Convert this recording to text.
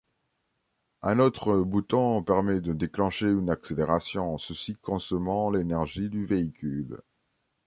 Un autre bouton permet de déclencher une accélération, ceci consommant l'énergie du véhicule.